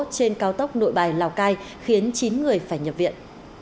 trên cao tốc nội bài lào cai khiến chín người phải nhập viện